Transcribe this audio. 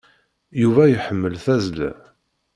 Yuba iḥemmel tazla.